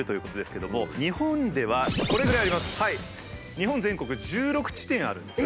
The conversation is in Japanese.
日本全国１６地点あるんです。